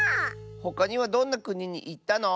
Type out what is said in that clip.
ほかにはどんなくににいったの？